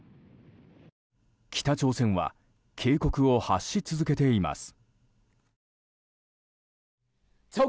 北朝鮮は警告を発し続けています。